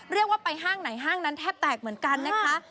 เรียกว่าไปห้างไหนห้างนั้นแทบแตกเหมือนกันนะคะ